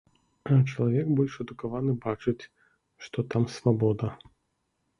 А чалавек больш адукаваны бачыць, што там свабода.